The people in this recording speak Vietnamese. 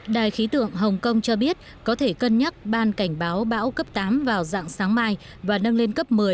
đài khí tượng hồng kông cho biết có thể cân nhắc ban cảnh báo bão cấp tám vào dạng sáng mai và nâng lên cấp một mươi